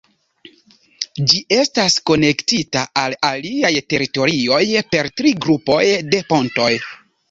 Ĝi estas konektita al aliaj teritorioj per tri grupoj de pontoj.